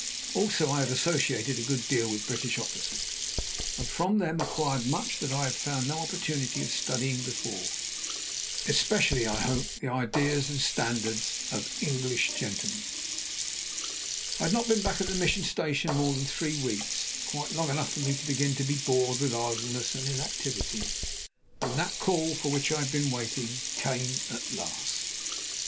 Also I had associated a good deal with British officers, and from them acquired much that I had found no opportunity of studying before, especially, I hope, the ideas and standards of English gentlemen. I had not been back at the Mission Station more than three weeks, quite long enough for me to begin to be bored with idleness and inactivity, when that call for which I had been waiting came at last.